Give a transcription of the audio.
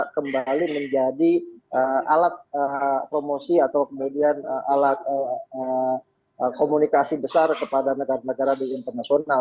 kembali menjadi alat promosi atau kemudian alat komunikasi besar kepada negara negara di internasional